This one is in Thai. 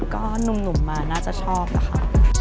ก็หนุ่มมาน่าจะชอบนะคะ